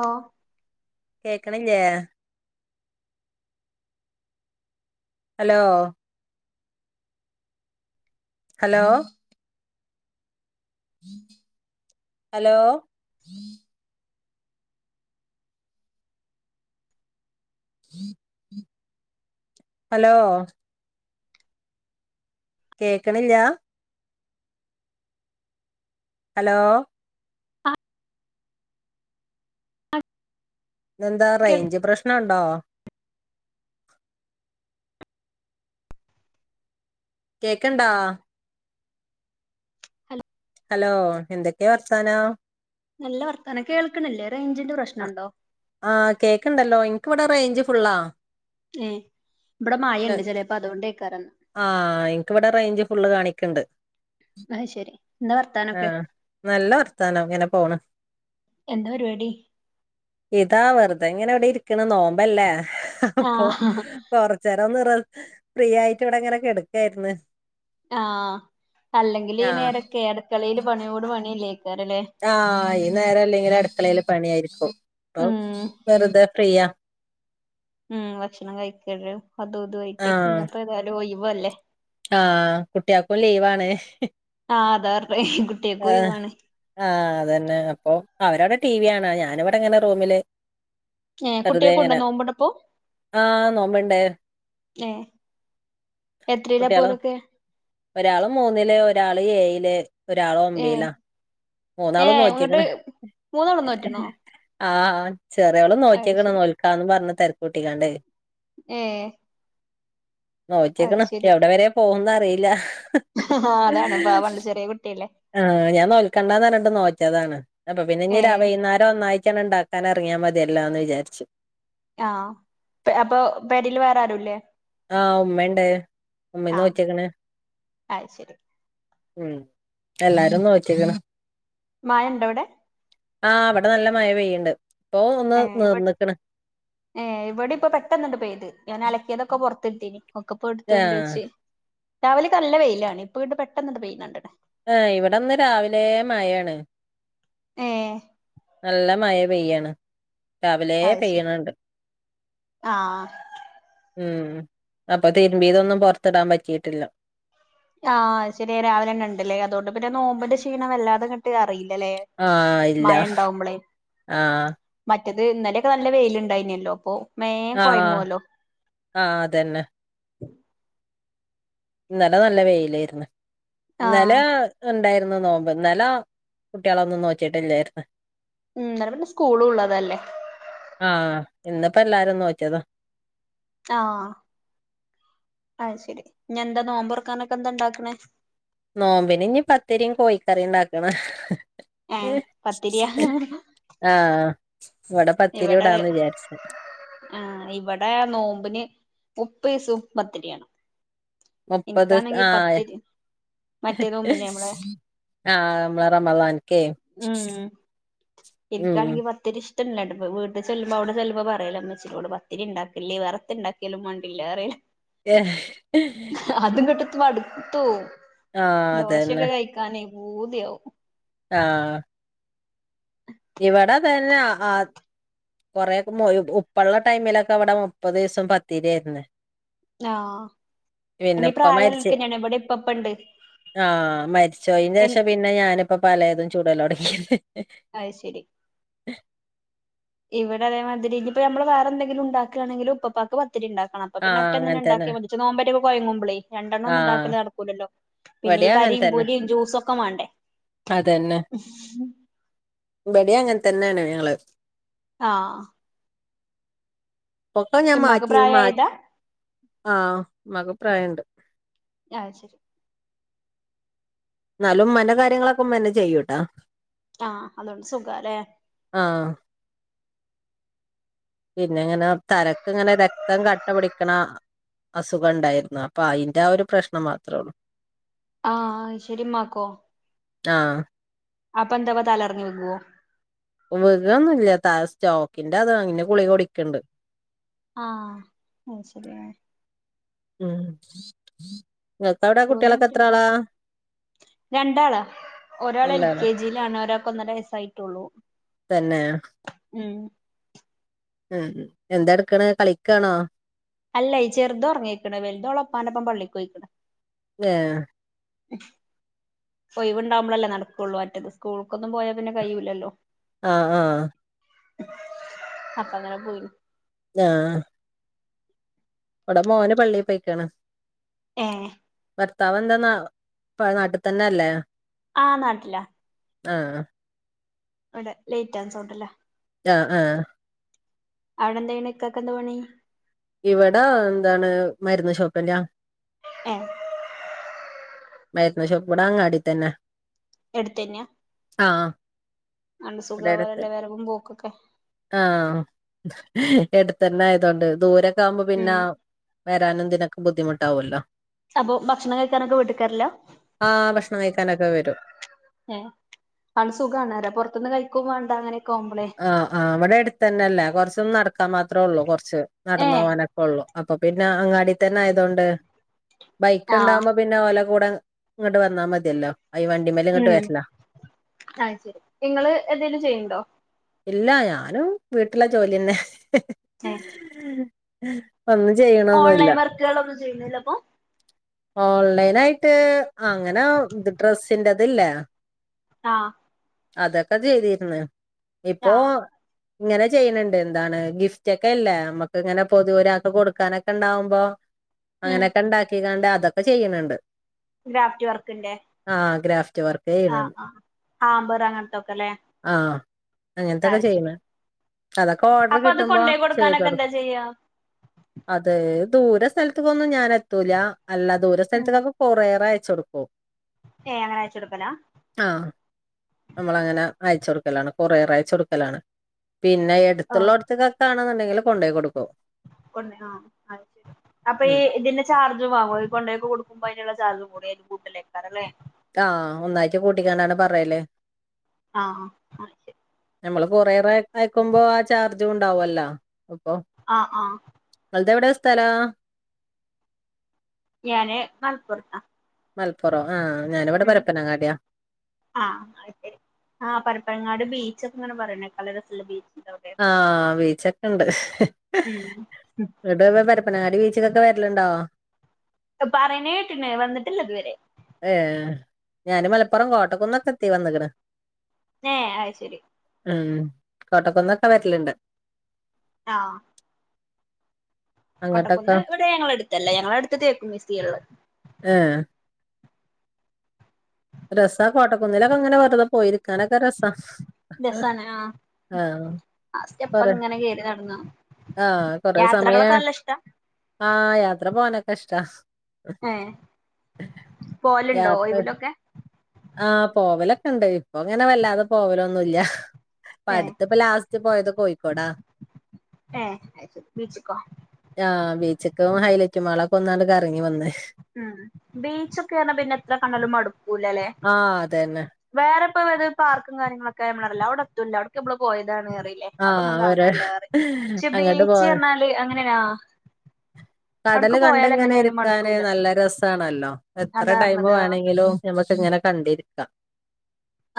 ഓ കേക്ക്ണില്ലേ hello hello hello hello കേക്ക്ണില്ല hello തെന്താ കേൾ റേഞ്ച് പ്രശ്നംണ്ടോ കേക്ക്ണ്ടോ ഹലോ എന്തൊക്കെ വർത്താനം നല്ല വർത്താനം കേൾക്ക്ണില്ലേ റയ്ഞ്ചിന്റെ പ്രശ്നംണ്ടോ ആഹ് കേക്ക്ണ്ടല്ലോ ഇനക്ക് ഇവിടെ റേഞ്ച് ഫുള്ളാ ഏ ഇബടെ മഴണ്ട് ചെലേപ്പം അതോണ്ടേ ക്കാരം ആഹ് ൻക്ക്‌ബടെ റേഞ്ച് ഫുള് കാണിക്ക്ണ്ട് അത് ശരി എന്താ വർത്താനൊക്കെ ആഹ് നല്ല വർത്താനം ഇങ്ങനെ പോണ് എന്താ പരിപാടി ഇതാ വെറുതെ ഇങ്ങനെ എവിടെ ഇരിക്കണ നോമ്പല്ലേ അപ്പൊ ആഹ് തൊറ ചെരവെന്ന്റ ഫ്രീ ആയിട്ട് ഇവിടെ കെടക്കാണ് ആഹ് അല്ലെങ്കിൽ ഈ ആ നേരൊക്കെ അട്ക്കളയിൽ പണിയോട് പണില്ലേക്കാറല്ലേ. ആഹ് ഈ നേരം അല്ലെങ്കില് അടുക്കളയില് പണിയായിരിക്കും, പ്പം ഉം വെറുതെ ഫ്രീയാ. ഉം ഭക്ഷണം കഴിക്കലും അതും ഇതും ആയിട്ട് ആഹ് ഇന്ന്പ്പോ ഏതായാലും ഒഴിവ് അല്ലേ. ആഹ് കുട്ടിയക്കും ലീവാണ്. ആഹ് അതാ പറഞ്ഞത്. ആഹ് ആ അതന്നെ അപ്പോ അവരവിടെ ടി വി കാണാ ഞാനിവിടെ ഇങ്ങനെ റൂമില് ഏ വെറുതെ കുട്ടികൾക്കുണ്ടോ ഇങ്ങനെ, നോമ്പുണ്ടപ്പോ ആഹ് നോമ്പ്ണ്ട്. ഏ എത്രയിലാ പ്പ കുട്ടികള് ഓലൊക്കെ. ഒരാള് മൂന്നില് ഒരാള് ഏയില് ഒരാള് ഏ ഒമ്പയിലാ. ഏ മൂന്നാളും ഇങ്ങട്ട് നോക്കിയേക്കണ് മൂന്നെണ്ണം നോറ്റ്ണോ ആഹ് ചെറിയാളും അത് നോക്കിയേക്കണ് ശരി നോൽക്കാന്ന് പറഞ്ഞ തിരക്കൂട്ടിക്കാണ്ട്. ഏഹ് അത് നോറ്റിക്കണ് എവിടെ വരെയാ പോകുന്ന് അറിയില്ല. ആഹ് ആ അതാണ് പാവാണ് ചെറിയ കുട്ടിയല്ലേ. ആഹ് ഞാൻ നോൽക്കേണ്ടന്ന് പറഞ്ഞിട്ടും നോറ്റതാണ്‌, അപ്പൊ പിന്നെ ഏ ഇഞ്ഞ് വൈകുന്നേരം ഒന്നാഴ്ടാണ്ട് ഇണ്ടാ ക്കാനെറങ്ങിയാ മതിയല്ലാന്ന് വിചാരിച്ചു. ആഹ് അപ്പോ പേരേൽ വേറെ ആരുല്ലേ. ആഹ് ഉമ്മണ്ട്, ഉമ്മിം ആഹ് നോക്കിക്കണ്. അത് ശെരി ഉം എല്ലാരും നോക്കിയേക്കണ്. മഴ ഉണ്ടോ അവിടെ? ആഹ് ഇവിടെ നല്ല മഴ പെയ്യണ്ട് ഇപ്പോ ഒന്ന് ഏ ഇവ നിർന്നിക്കണ്. ഏ ഇവിടെ ഇപ്പോ പെട്ടെന്നണ്ട് ചെയ്ത്, ഞാൻ അലക്കിയതൊക്കെ പുറത്ത് ഇട്ടീന് ഇപ്പ എടുത്തൊണ്ട് ആഹ് വെച്ച് രാവിലെക്കെ നല്ല വെയിലാണ് ഇപ്പോ വിടെ പെട്ടെന്നാണ്ട് പെയ്യിനണ്ട്ണ്. ആഹ് ഇവിടെന്ന് രാവിലെ മഴയാണ്. ആഹ് നല്ല മഴ പെയ്യാണ്, രാവിലെ അത് ശെരി പെയ്യണുണ്ട്. ആഹ് ഉം അപ്പോ തിരുമ്പിയതൊന്നും പുറത്തിടാൻ പറ്റിയിട്ടില്ല. ആഹ് ശരി രാവിലെന്നണ്ട്ല്ലേ, അതോണ്ട് പിന്നെ നോമ്പിന്റെ ക്ഷീണം വല്ലാതെ ങ്ങട്ട് അറിയില്ലല്ലേ. ആഹ് ഇല്ല മഴേണ്ടാവുമ്പളേ. ആഹ് മറ്റത് ഇന്നലെയൊക്കെ നല്ല വെയിൽ ഉണ്ടായിനല്ലോ അപ്പോ ആഹ് ആഹ് അതന്നെ ഇന്നലെ നല്ല വെയിലായിരുന്നു ആഹ് ഇന്നലെ ഉണ്ടായിരുന്നു നോമ്പ്, ഇന്നലെ കുട്ടികളൊന്നും നോറ്റിട്ടില്ലായിരുന്നു. ഉം ഇന്നലെ പിന്നെ സ്കൂളും ഉള്ളതല്ലേ. ആഹ് ഇന്നിപ്പോ എല്ലാരും നോറ്റിയതാ. ആഹ് ആഹ് ശരി ഇഞ്ഞ് എന്താ നോമ്പറക്കാനൊക്കെ എന്താ ഉണ്ടാക്കണേ. നോമ്പിന് ഇഞ്ഞ് പത്തിരിയും കോഴിക്കറിയും ഉണ്ടാക്കണം. ഏഹ് പത്തിരിയാ ആഹ് ഇവിടെ പത്തിരി ഇവിടെ ചുടാന്ന് വിചാരിച്ച് ആഹ് ഇവിടെ നോമ്പിന് മുപ്പതീസോം പത്തിരിയാണ്. മുപ്പത് എനിക്കാണെങ്കി ആഹ് പത്തിരി മറ്റേ നോമ്പില്ലേ നമ്മളെ ആഹ് മ്മളെ റമളാൻക്കെ ഉം ഇൻക്കാണെങ്കി പത്തിരി ഇഷ്ടല്ല, വീട്ടിൽ ചെല്ലുമ്പോ അവിടെ ചെലപ്പം പറയലാ ഉമ്മച്ചിയോട് പത്തിരി ഉണ്ടാക്കല്ലി വേറന്തൊക്കെ. കേലും മണ്ടില്ലാറേ ആഹ് അതും ഇങ്ങട്ട് എത്തുമ്പോ മടുത്തു പോവും, അതന്നെ ദോശക്കെ കയി ക്കാനെ പൂതിയാവും. ആഹ് ഇവിടെ തന്നാ അത് കൊറെേക്കേ മൊയ് ഉപ്പ ഉള്ള ടൈമിലൊക്കെ ഇവിടെ മുപ്പത് ദിവസം പത്തിരിയായിരിന്ന് ആഹ് പിന്നെ ഇനി ഉപ്പ മരിച്ച് പ്രായള്ളോൽക്കെന്നെയാണ് ഇവിടെ ഇപ്പപ്പ ഇണ്ട് ആഹ് മരിച്ചോയിതിന് എൻ ശേഷം പിന്നെ ഞാന് ഇപ്പ പലെതും ചൂടല്ലോടെ അയ്ശരി ഇവിടെ അതേമാതിരി ഇഞ്ഞ്പ്പോ നമ്മൾ വേറെ എന്തെങ്കിലും ഉണ്ടാക്കുകയാണെങ്കിലും ഉപ്പപ്പാക്ക് ത്തിരി ഉണ്ടാക്കണം അപ്പ പിന്നെ ആഹ് ഒറ്റ എന്ന അങ്ങനെ തന്നെ ഉണ്ടാക്കി വച്ച് നോപറ്റ ഒക്കെ പുഴുങ്ങുമ്പോളെ രണ്ടണ്ണം ഒന്നും ആഹ് ഉണ്ടാക്കല് നടക്കൂലല്ലോ പിന്നെ ഈ ഇവിടേം അങ്ങനെ കരിയും തന്നെ പൂരിയും ജ്യൂസെക്കെ മേണ്ടേ ഇബെടിയ് അങ്ങനെ തന്നെയാണ് ഞങ്ങള് ആഹ് മൊത്തം ഞാൻ ഇമ്മാക്ക് മാറ്റിയും മാറ്റ് പ്രായായതാ ആഹ് മക് പ്രായം ഉണ്ട് അഹ് ശരി എന്നാലും ഉമ്മന്റെ കാര്യങ്ങളൊക്കെ ഉമ്മ തന്നെ ചെയ്യൂട്ടാ ആഹ് അതൊണ്ട് സുഖ അല്ലേ ആഹ് പിന്നെ അങ്ങനെ തലക്ക് ഇങ്ങനെ രക്തം കട്ട പിടിക്കണ അസുഖം ഉണ്ടായിരുന്നു അപ്പൊ അയിന്റ ആ ഒരു പ്രശ്നം മാത്രേ ഉള്ളൂ ആഹ് ശരി ഉമ്മാക്കോ ആഹ് അപ്പൊ എന്താവാ തലകറിങ്ങി വികുവോ വിഗൊന്നുമില്ല ത സ്റ്റോക്കിന്റെ അത അങ്ങനെ ഗളിക കുടിക്കുണ്ട് ആഹ് അത് ശരി ആഹ് ഉം തോന്ന കുട്ടികളൊക്ക എത്രളാ കണ്ടിട്ടുണ്ടായിരുന്നു രണ്ടാളാ ഒരാൾ എൽ രണ്ടാളോ കെ ജിയിലാണ് ഒരാൾക്ക് ഒന്നര വയസ്സായിട്ടുള്ളൂ തന്നെ ഉം ഉം എന്തെ എടുക്കണ് കളിക്കണോ അല്ല ചെറുതോറങ്ങയിക്കണ് വലുത് ഒള് ഉപ്പാനൊപ്പം പള്ളി പോയിക്കണ് ഏഹ് ഒഴവുണ്ടാമ്പൊളല്ലേ നടക്കുള്ളൂ അറ്റത് സ്കൂൾക്കൊന്നും പോയാൽ പിന്നെ കഴിയുല്ലല്ലോ ആഹ് ആഹ് അപ്പ അങ്ങനെ പോയിന് ആഹ് ഇവിടെ മോന് പള്ളി പോയിക്കാണ് ഏഹ് ഭർത്താവ് എന്താണ് പ നാട്ടി തന്നെ അല്ലേ ആഹ് നാട്ടില ആഹ് ഇവിടെ ലേറ്റ് ആൻ സൗണ്ടല്ലേ ആഹ് ആഹ് അവിടെ എന്തായാണ് ഇക്കക്കെന്ത പണി ഇവിടാ എന്താണ് മരുന്ന് ഷോപ്പ്ല ഏഹ് മരുന്ന് ഷോപ്പിവിട അങ്ങാടി തന്ന എടുത്തന്നെയ അണ്ട് ഇവിടെ അടുത്ത് സുഖവലല്ലെ വരവും പോക്കൊക്കെ ആഹ് എടുത്തന്നെ ആയതൊണ്ട് ദൂരൊക്കെ ആവുമ്പോ പിന്ന ഉം വരാനുംതിനൊക്കെ ബുദ്ധിമുട്ടാവല്ലോ അപ്പൊ ഭക്ഷണം കഴിക്കാനൊക്കെ വീട്ട്ക്കെര്ലാ ആഹ് ഭക്ഷണം കഴിക്കാനൊക്കെ വെരും ഏഹ് ആണ്ട് സുഖണറ്യ പൊറത്ത്ന്ന് കഴിക്കും വാണ്ട അങ്ങനെയൊക്കെ ആവുമ്പളേ ആഹ് ആഹ് വ്ടെ എടുത്തന്നല്ലേ കൊറച്ച്നടക്കാൻ മാത്രേള്ളൂ കൊറച്ച് ഏ നടന്ന്പോവാനൊക്കെ ഒള്ളു അപ്പൊ പിന്നെ അങ്ങാടിതന്നെ ആയതോണ്ട് ആ ബൈക്ക്ണ്ടാവുമ്പോ പിന്നെ ഓല കൂടെ ഇങ്ങട്ട് വന്നാമതിയല്ലോ അയ് വണ്ടിമേല്ങ്ങട്ട് വര്ല ആ ശരി നിങ്ങള് എന്തെലും ചെയ്യണ്ടോ ഇല്ല ഞാനും വീട്ടിലെ ജോലിന്നെ ഏ ഒന്നും ചെയ്യണൊന്നുല്ല ഓൺലൈൻ വർക്കുകളൊന്നും ചെയ്യുന്നില്ല അപ്പൊ ഓൺലൈനയിട്ട് അങ്ങനെ ഇ ഡ്രസ്സിന്റെത് ല്ലേ ആഹ് അതൊക്കെ ശെരിയന്നെ ആ ഇപ്പോ ഇങ്ങനെ ചെയ്യ്ണ് ണ്ട് ന്താണ് ഗിഫ്റ്റെക്കെ ഇല്ലേ മ്മക്ക്ങ്ങനെ പൊതുവരാക്ക്ങ്ങനെ കൊടുക്കാനൊക്കെണ്ടാവുമ്പോ ഉം അങ്ങനെക്കണ്ടാക്കികാണ്ട് അതൊക്കെ ചെയ്യ്ണ് ണ്ട് ഗ്രാഫ്റ്റ് വർക്കിന്റെ ആഹ് ഗ്രാഫ്റ്റ് വർക്ക് ചെയ്യണം ആമ്പറങ്ങൻത്തൊക്കെല്ലേ ആഹ് ഇങ്ങൻത്തൊക്കെ ചെയ്യുന്ന അതൊക്കെ ഓർഡർ അപ്പൊ അത് കിട്ടുമ്പോ കൊണ്ടോയി കൊടുക്കാനൊക്കെ ചെയ്തോട്ക്കും എന്താ ചെയ്യാ അത് ദൂര സെൽത്തിക്കൊന്നും ഞാനെത്തൂല അല്ല ദൂര ഉം സ്ഥൽത്ക്കൊക്കെ കൊറിയറൈച്ചൊട്ക്കും ഏഹ് അങ്ങനെയച്ചൊടുക്കലാ ആഹ് നമ്മളങ്ങനെ അയച്ചൊട്ക്കലാണ് കൊറിയറൈച്ചൊട്ക്കലാണ്. പിന്നെ ആ എടുത്തുള്ളോട്ത്ത്ക്കൊക്കാണെങ്കില് കൊണ്ടോയി കൊടുക്കും. ആ അഹ് ശ അപ്പൊ ഉം ഈ ഇതിന്റെ ചാർജ് വാങ്ങോ കൊണ്ടേയൊക്കെ കൊടുക്കുമ്പയ്നിള്ള ചാർജും കൂടയ്ക്ക് കൂട്ടലേക്കാര ല്ലേ ആഹ് ഒന്നായിട്ട് കൂട്ടിക്കാണ്ടാണ് പറയല് ആഹ്ആഹ് നമ്മള് കൊറേറയക്കുമ്പോ ആഹ് ചാർജും ഉണ്ടാവല്ലോ അപ്പൊ ആഹ്ആഹ് ങ്ങൾതെവിടെയ സ്ഥലം ഞാന് മൽപ്പൊർത്ത മലപ്പുറം ആഹ് ഞാനിവടെ പരപ്പനങ്ങാടിയാ ആഹ് അയ്ശെരി ആഹ് പരപ്പങ്ങാട് ബീച്ചക്കെങ്ങനെ പറയണേക്ക ളരസള്ള ബീച്ച് ആഹ് ബീച്ചൊക്കെണ്ട് ഉം ങ്ങട്ട് പരപ്പനാടി ബീച്ച്ക്കൊക്കെ വെര്ല്ണ്ടോ? പറിണേട്ട്ണ് വന്നിട്ടില്ലതുവരെ ഏഹ് ഞാന് മലപ്പുറം കോട്ടക്കന്നൊക്കെ എത്തി വന്നിണ് ന്നെ അയ്ശെരി ഉം കോട്ടക്കുന്നൊക്കെ വര്ല്ണ്ട് ആഹ് അങ്ങോട്ടൊക്കെ കൊട്ടക്കുന്ന് ഇവിടെ ഞങ്ങളടുത്തല്ല ഞങ്ങളെടുത്ത് തേക്ക് മ്യൂസിയാള്ളെ ഏഹ് രസ കോട്ടക്കുന്നിലൊക്കെങ്ങനെ വെർതെ പോയിരിക്കാനൊക്കെ രസ രസാണ് ആഹ് സ്റ്റെപ്പങ്ങനെ കേറി നടന്ന ആഹ് കൊറെ സമയ ആഹ് യാത്ര പോവാനൊക്കെ ഇഷ്ടാ ഏഹ് പോവലിണ്ടോ ഒയ് വിലൊക്കെ ആഹ് പോവലൊക്കെണ്ട് ഇപ്പൊങ്ങനെ വല്ലാതെ പോവലൊന്നുല്ല്യ ഏ പ്പട്ത്ത്പ്പ ലാസ്റ്റ് പോയത് കോഴിക്കോടാ ഏ അയ്ശരി ബീച്ച്ക്കോ ആഹ് ബീച്ച്ക്കും ഹൈലൈറ്റ് മാളൊക്കൊന്നാണ്ട് കറങ്ങി വന്ന് ഉം ബീച്ചൊക്കെർഞ്ഞ പിന്നെ എത്രകണ്ടാലും മടുക്കൂല ല്ലെ ആഹ് അതെന്നെ വേറെ ഇപ്പം ഇള്ളെത് പാർക്കും കാര്യങ്ങളൊക്കെ നമ്മെൾ ആണല്ലോ അയുടെ എത്തും ഇല്ലാ അയുട്ക്ക് നമ്മെൾ പോയതാണ് പറിം ല്ലാ ആഹ് അയുടൊന്നും കാണാ ഒര് ഇല്ലാ പറിം പക്ഷെ അങ്ങട്ട് പോ ബീച്ച് പർണാൽ അങ്ങനെയ്നോ? അടുക്ക് പോയാൽ എങ്ങനെ ആയാലും മട്ക്കൂലാ ത് ആണല്ലോ എത്ര ടൈം വേണെങ്കിലും ഞമ്മെക്ക് ഇങ്ങനെ കണ്ട് ഇര്ക്കാം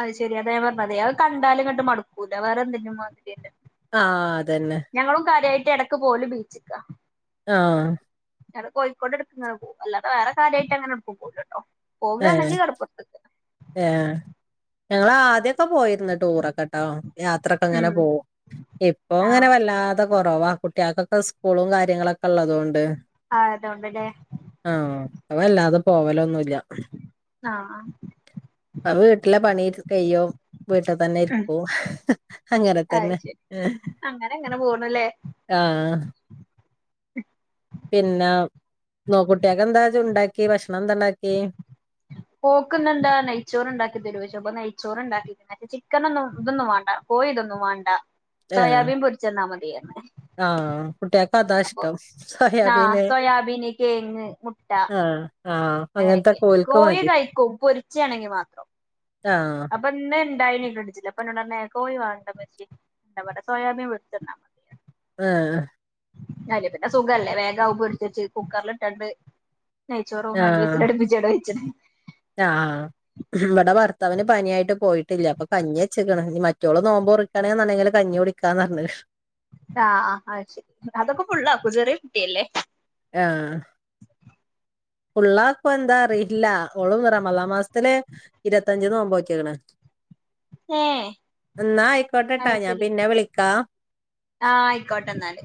അഹ് ശരി അതാ ഞാൻ പർണതെയ് അഹ് കണ്ടാൽ ഇങ്ങെട്ട് മട്ക്കൂലാ വേറെ എന്റിന്റിം മാതിരി അല്ല അത് ആഹ് അത്‌യെന്നെ ഞങ്ങളും കാര്യായിട്ട് എടക്ക് പോവെൽ ബീച്ച്ക്കാ ആഹ് ഞങ്ങൾ കോഴിക്കോട് എട്ക്ക് ഇങ്ങനെ പോവും അല്ലാതെ വെറെ കാര്യായിട്ട് അങ്ങനെ ഒട്ക്കും പോവുല ട്ടോ ഏഹ് പോകാണെങ്കി കടപ്പൊർത്ത്ക്ക് ഏഹ് ഞങ്ങൾ ആദ്യൊക്കെ പോയിര്ന്ന് ടൂറൊക്കെ ഇട്ടോ യാത്ര ഒക്കെ ഇങ്ങനെ ഉം പോവും ഇപ്പൊ ആ ഇങ്ങനെ വല്ലാതെ കൊറവാ കുട്ടിയാക്കൊക്കെ സ്കൂളും കാര്യങ്ങളൊക്കെ ഇള്ളതോണ്ട് ആഹ് അതോണ്ട് ലെ ആഹ് ഞാ വെല്ലാതെ പോവലൊന്നും ഇല്ല ആഹ് അഹ് അഹ് വീട്ട്ലെ പണി [unintelligible] കയ്യും വീട്ട് തെന്നെ ഉം ഇര്ക്കും അങ്ങനെ അത് തന്നെ ശരി അങ്ങനെ അങ്ങനെ പോണല്ലേ ആഹ് പിന്നെ നോ കുട്ടിയാക്ക് എന്താ ഉണ്ടാക്കെ ഭക്ഷണം എന്താ ഇണ്ടാക്കെ ഓക്ക് ഇന്ന് എന്താ നെയ്ച്ചോറ് ഇണ്ടാക്കി തെരോയ്ച്ച് അപ്പ നെയ്ച്ചോറ് ഇണ്ടാക്കി ഞങ്ങക്ക് ചിക്കനൊന്നും ഇതൊന്നും വാണ്ടാ കോഴി ഇതൊന്നും വാണ്ടാ ഏഹ് സോയാബീൻ പൊര്ച്ചെന്നാ മതി പർണ് ആഹ് കുട്ടിയാക്ക് അതാ ഇഷ്ടം സോയാബീൻ ആഹ് സോയാബീന് ആഹ് ആഹ് അങ്ങനെ ഒക്കെ അങ്ങനത്തൊക്കെ ഓൽക്ക് കോഴി മതി കഴിക്കും പൊരിച്ചെ ആണെങ്കി മാത്രം ആഹ് അപ് പ്പം ഇന്ന് ഇണ്ടായിനി ഫ്രിഡ്ജ്ൽ അപ്പ ഇന്നോട് പർൺ കോഴി വാണ്ട ഇമ്മച്ചെ ഞാ പർണ് സോയാബീൻ വെച്ചെന്നാ മതി ആഹ് അയിൽ പിന്നെ സുഖ അല്ലെ വേഗം അഹും പൊര്ച്ചെച്ച് കുക്കെർൽ ഇട്ടാണ്ട് നെയ്ച്ചോറും രണ്ട് വിസ്ൽ അട്പ്പി ച്ച് അയുടെ വെച്ച്ണ് ആഹ് ആഹ് ഇബെടെ ഭർത്താവിന് പനിയായിട്ട് പോയിട്ട് ഇല്ല അപ്പ കഞ്ഞി വെച്ച്ക്ക്ണ് ഇഞ്ഞ് മറ്റോൾ നോമ്പ് മുറി ക്കാണ്ന്ന് ഉണ്ടെങ്കിൽ കഞ്ഞി കുടിക്കാന്ന് പർണ്ക്ക്ണ് ആഹ് ആഹ് അഹ് ശരി അതൊക്കെ ഫുള്ളാക്കൊ ചെറെ കുട്ടി അല്ലെ ആഹ് ഫുള്ളാക്കോ എന്താ അറിയില്ല ഓൾ റമളാം മാസത്തിൽ ഇരത്തഅഞ്ച് നോമ്പോറ്റ്ക്ക്ണ്. ഏഹ് ഇന്നാ അയിക്കോട്ടെ ട്ടോ അത് ഞാ ശരി പിന്നെ വിളിക്കാം ആഹ് അയിക്കോട്ടെ ഇന്നാൽ